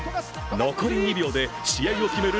残り２秒で試合を決める